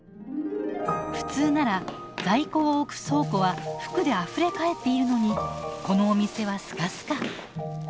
普通なら在庫を置く倉庫は服であふれ返っているのにこのお店はスカスカ。